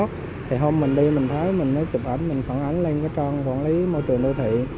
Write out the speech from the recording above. thì hôm mình đi mình thấy mình mới chụp ảnh mình phản ánh lên cái trang quản lý môi trường đô thị